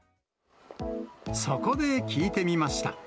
そこで聞いてみました。